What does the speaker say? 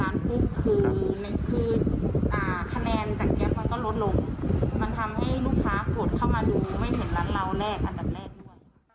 ไม่เห็นร้านร้านเราแรกอันดับแรกน่วน